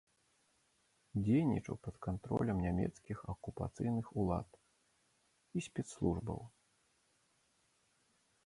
Дзейнічаў пад кантролем нямецкіх акупацыйных улад і спецслужбаў.